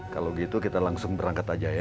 kalau gitu kita langsung berangkat aja ya